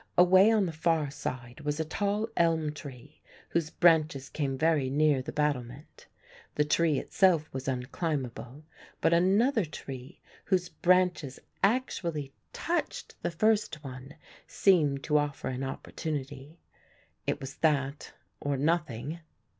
Away on the far side was a tall elm tree whose branches came very near the battlement; the tree itself was unclimbable but another tree whose branches actually touched the first one seemed to offer an opportunity. It was that or nothing.